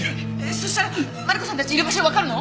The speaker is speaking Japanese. そしたらマリコさんたちがいる場所がわかるの？